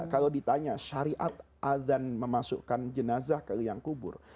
kalau ditanya syariat azan memasukkan jenazah ke liang kubur